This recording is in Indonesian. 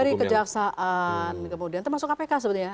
dari kejaksaan kemudian termasuk kpk sebetulnya